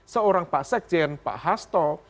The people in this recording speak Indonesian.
seorang pak sekjen pak hasto